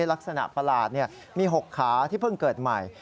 ลักษณะประหลาดมี๖ขาที่เพิ่งเกิดใหม่